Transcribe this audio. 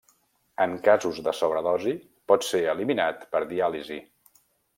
En casos de sobredosi, pot ser eliminat per diàlisi.